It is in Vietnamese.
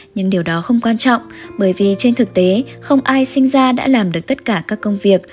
nhưng điều đó không quan trọng bởi vì trên thực tế không ai sinh ra đã làm được tất cả các công việc